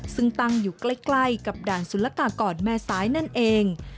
ซึ่งตั้งอยู่ใกล้กับด่านสุรกากรแม่ซ้ายนั่นเอง